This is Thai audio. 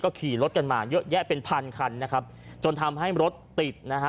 ขี่รถกันมาเยอะแยะเป็นพันคันนะครับจนทำให้รถติดนะฮะ